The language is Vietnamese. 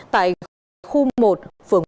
tại khu một phường bình hàn